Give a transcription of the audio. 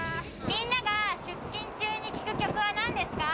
みんなが出勤中に聴く曲はなんですか？